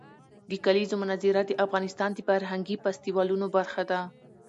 د کلیزو منظره د افغانستان د فرهنګي فستیوالونو برخه ده.